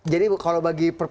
jadi kalau bagi presiden